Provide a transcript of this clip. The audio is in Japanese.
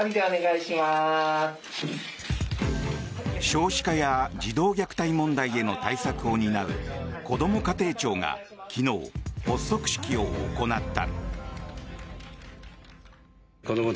少子化や児童虐待問題への対策を担うこども家庭庁が昨日、発足式を行った。